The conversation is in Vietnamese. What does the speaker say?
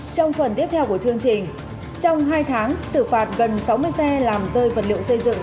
trong phần tiếp theo của chương trình trong hai tháng xử phạt gần sáu mươi xe làm rơi vật liệu xây dựng